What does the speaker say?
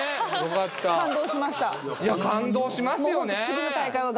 いや感動しますよね